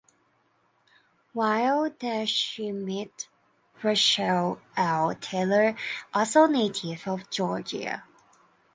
While there she met Russell L. Taylor, also a native of Georgia.